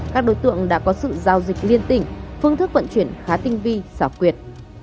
các đối tượng đã có sự giao dịch liên tỉnh phương thức vận chuyển khá tinh vi xảo quyệt